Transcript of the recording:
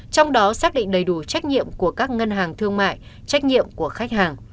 trong đó xác định đầy đủ trách nhiệm của các ngân hàng thương mại trách nhiệm của khách hàng